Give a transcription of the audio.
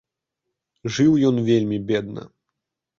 Жыў ён вельмі бедна.